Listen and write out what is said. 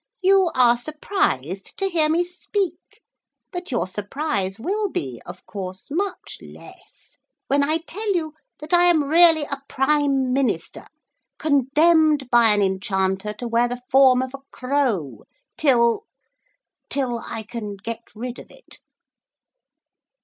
'You are surprised to hear me speak, but your surprise will be, of course, much less when I tell you that I am really a Prime Minister condemned by an Enchanter to wear the form of a crow till ... till I can get rid of it.'